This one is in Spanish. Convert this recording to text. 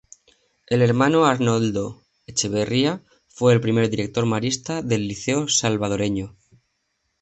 El Hermano Arnoldo Echeverría fue el primer director marista del Liceo Salvadoreño.